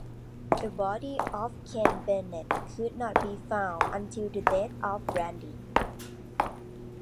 The body of Keith Bennett could not be found until the death of Brandy.